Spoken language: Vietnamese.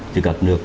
thì các nước